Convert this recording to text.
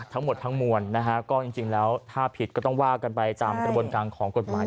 ทั้งหมดทั้งมวลนะฮะก็จริงแล้วถ้าผิดก็ต้องว่ากันไปตามกระบวนการของกฎหมาย